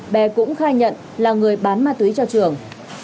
bé cũng khai nhận là người bán ma túy cho trường